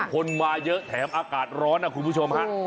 คนมาเยอะแถมอากาศร้อนนะคุณผู้ชมฮะ